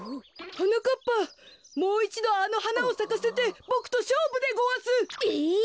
はなかっぱもういちどあのはなをさかせてボクとしょうぶでごわす。え！？